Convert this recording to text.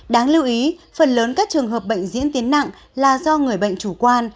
đáng lưu ý phần lớn các trường hợp bệnh diễn tiến nặng là do người bệnh chủ quan